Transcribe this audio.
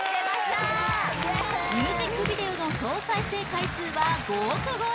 ・最高ミュージックビデオの総再生回数は５億超え